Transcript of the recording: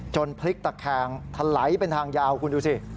จนพลิกตะแคงถลายเป็นทางยาวคุณดูสิ